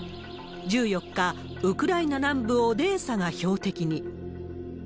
１４日、ウクライナ南部オデーサが標的に。